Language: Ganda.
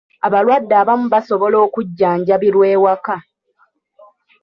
Abalwadde abamu basobola okujjanjabirwa ewaka.